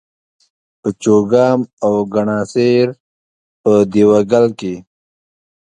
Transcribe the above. په چوګام او کڼاسېر په دېوه ګل کښي